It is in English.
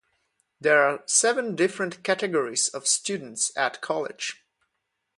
There are seven different categories of students at college.